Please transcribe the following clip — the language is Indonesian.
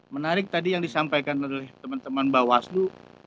menarik tadi yang disampaikan oleh teman teman bawaslu